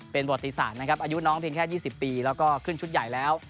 เป็นประวัติศาสตร์นะครับอายุน้องเพียงแค่๒๐ปีแล้วก็ขึ้นชุดใหญ่แล้ว